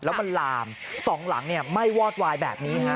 แล้วมันลามสองหลังไหม้วอดวายแบบนี้ฮะ